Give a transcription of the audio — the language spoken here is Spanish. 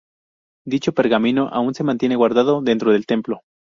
Dicho pergamino aún se mantiene guardado dentro del templo.